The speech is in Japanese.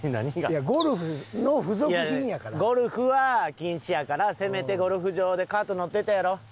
いやゴルフは禁止やからせめてゴルフ場でカート乗ってたやろ？